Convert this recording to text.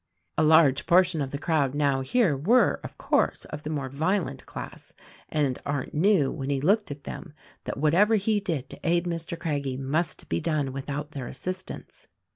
A large portion of the crowd now here were, of course, of the more violent class; and Arndt knew, when he looked at them, that whatever he did to aid Mr. Craggie must be done without their assistance.